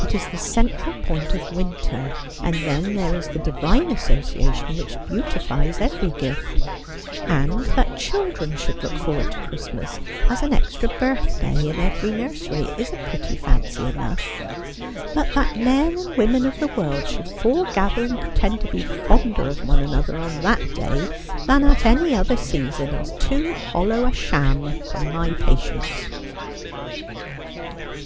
It is the central point of winter ; and then there is the Divine association which beautifies every gift. And that children should look forward to Christmas as an extra birthday in every nursery is a pretty fancy enough. But that men and women of the world should foregather and pretend to be fonder of one another on that day than at any other season is too hollow a sham for my patience.'